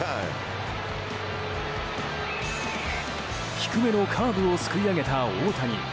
低めのカーブをすくい上げた大谷。